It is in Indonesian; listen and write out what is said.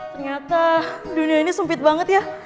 ternyata dunia ini sempit banget ya